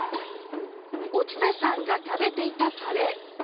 お伝さんが食べていたカレー。